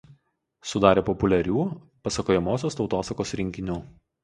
Sudarė populiarių pasakojamosios tautosakos rinkinių.